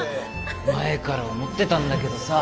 前から思ってたんだけどさ